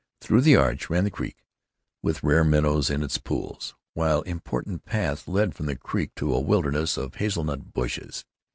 Through the Arch ran the creek, with rare minnows in its pools, while important paths led from the creek to a wilderness of hazelnut bushes.